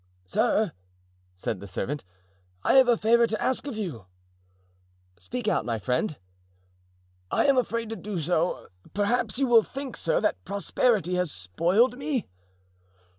"Sir," said the servant, "I have a favour to ask you." "Speak out, my friend." "I am afraid to do so. Perhaps you will think, sir, that prosperity has spoiled me?"